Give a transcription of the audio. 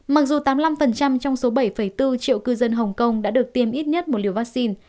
mặc dù tám mươi năm trong số bảy bốn triệu cư dân hồng kông đã được tiêm ít nhất một liều vaccine